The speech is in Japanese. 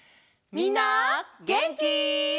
みんなげんき？